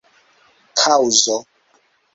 kaŭzo